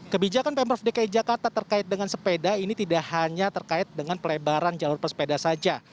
kebijakan pemprov dki jakarta terkait dengan sepeda ini tidak hanya terkait dengan pelebaran jalur pesepeda saja